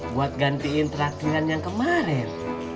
buat gantiin latihan yang kemarin